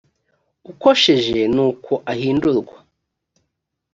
ukosheje ni uko ahindurwa